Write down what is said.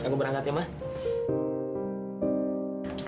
ya aku berangkat ya mak